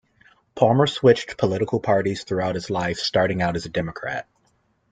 Palmer switched political parties throughout his life, starting out a Democrat.